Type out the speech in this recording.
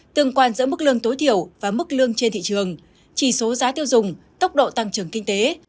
tương quan giữa mức lương tối thiểu và mức lương trên thị trường chỉ số giá tiêu dùng tốc độ tăng trưởng kinh tế